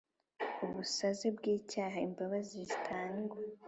Ubusaze bw icyaha imbabazi zitangwa